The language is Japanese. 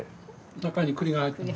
中に栗が入ってます。